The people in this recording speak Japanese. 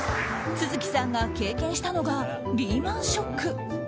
續さんが経験したのがリーマン・ショック。